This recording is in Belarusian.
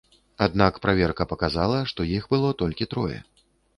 Аднак праверка паказала, што іх было толькі трое.